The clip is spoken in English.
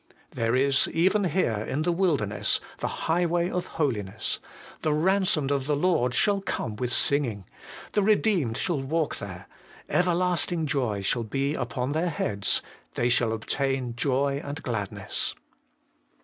This is, even here in the wilderness, ' the Highway of Holiness : the ransomed of the Lord shall come with singing ; the redeemed shall walk there ; everlasting joy shall be upon their heads ; they shall obtain joy and gladness.'